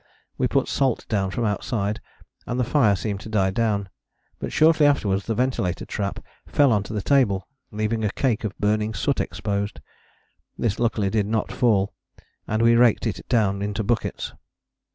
We put salt down from outside, and the fire seemed to die down, but shortly afterwards the ventilator trap fell on to the table, leaving a cake of burning soot exposed. This luckily did not fall, and we raked it down into buckets.